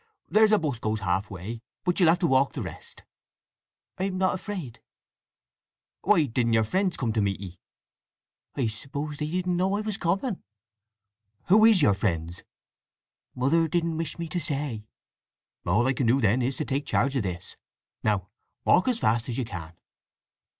There's a 'bus goes half way, but you'll have to walk the rest." "I am not afraid." "Why didn't your friends come to meet 'ee?" "I suppose they didn't know I was coming." "Who is your friends?" "Mother didn't wish me to say." "All I can do, then, is to take charge of this. Now walk as fast as you can."